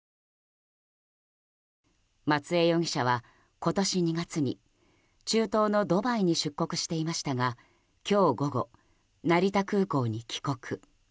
松江容疑者は今年２月に中東のドバイに出国していましたが今日午後、成田空港に帰国。